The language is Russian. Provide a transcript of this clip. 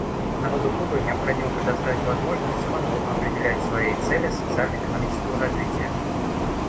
Народу Кубы необходимо предоставить возможность самому определять свои цели социально-экономического развития.